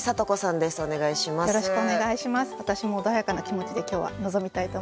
私も穏やかな気持ちで今日は臨みたいと思います。